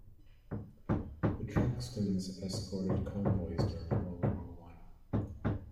The "Truxtun"s escorted convoys during World War One.